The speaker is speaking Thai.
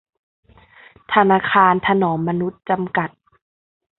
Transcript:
ธนาคารถนอมมนุษย์ จำกัด